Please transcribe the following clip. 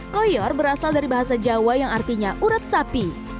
koyor berasal dari bahasa jawa yang artinya urat sapi